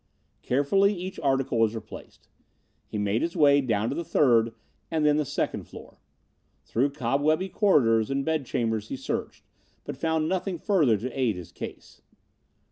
Carefully each article was replaced. He made his way down to the third and then the second floor. Through cobwebby corridors and bedchambers he searched, but found nothing further to aid his case.